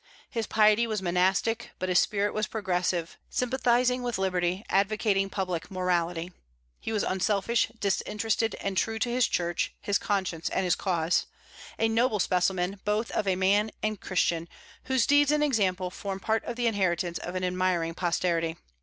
His piety was monastic, but his spirit was progressive, sympathizing with liberty, advocating public morality. He was unselfish, disinterested, and true to his Church, his conscience, and his cause, a noble specimen both of a man and Christian, whose deeds and example form part of the inheritance of an admiring posterity.